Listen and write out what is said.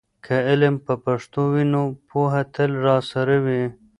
که علم په پښتو وي، نو پوهه تل راسره وي.